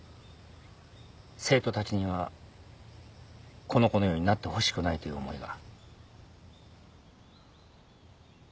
生徒たちにはこの子のようになってほしくないという思いが。